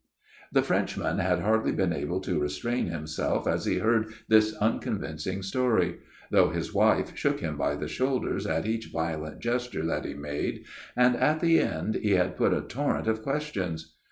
" The Frenchman had hardly been able to restrain himself as he heard this unconvincing story ; though his wife shook him by the shoulders at each violent gesture that he made, and at the end he had put a torrent of questions.